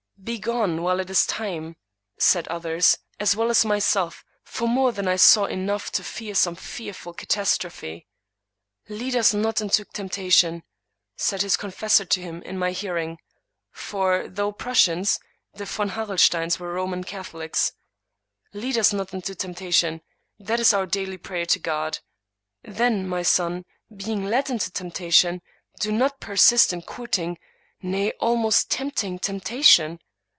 " Begone, while it is time !" said others, as well as myself ; for more than I saw enough to fear some fearful catastrophe. " Lead us not into temp tation!" said his confessor to him in my hearing (for, though Prussians, the Von Harrelsteins were Roman Catho lics), "lead us not into temptation! — ^that is our daily prayer to God. Then, my son, being led into temptation, do not you persist in courting, nay, almost tempting temptation.